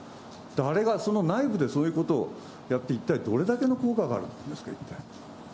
誰がその内部でそういうことをやって、一体どれだけの効果があるというんですか。